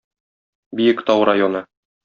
Биектау районы.